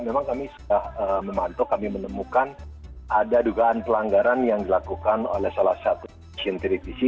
memang kami sudah memantau kami menemukan ada dugaan pelanggaran yang dilakukan oleh salah satu stasiun televisi